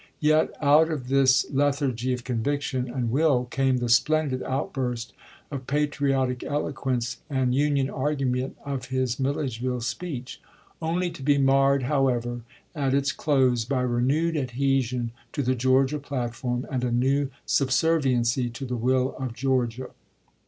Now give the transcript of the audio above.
Yet, out of this leth argy of conviction and will came the splendid out burst of patriotic eloquence and Union argument of his Milledgeville speech ; only to be marred, however, at its close by renewed adhesion to the Georgia platform, and a new subserviency to the "will of Georgia."